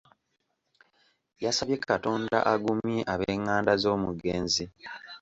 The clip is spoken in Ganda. Yasabye Katonda agumye ab'enganda z'omugenzi.